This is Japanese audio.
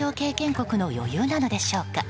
国の余裕なのでしょうか。